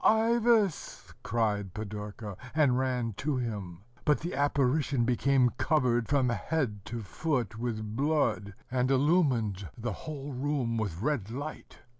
"Ivas!" cried Pidorka, and ran to him; but the apparition became covered from head to foot with blood, and illumined the whole room with red light.